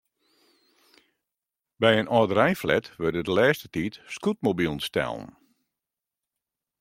By in âldereinflat wurde de lêste tiid scootmobilen stellen.